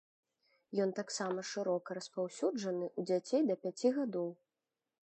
Ён таксама шырока распаўсюджаны ў дзяцей да пяці гадоў.